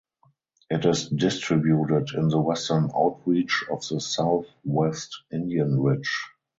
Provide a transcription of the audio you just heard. It is distributed in the western outreach of the Southwest Indian Ridge.